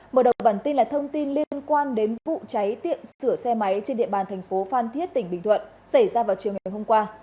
mở đầu bản tin là thông tin liên quan đến vụ cháy tiệm sửa xe máy trên địa bàn thành phố phan thiết tỉnh bình thuận xảy ra vào chiều ngày hôm qua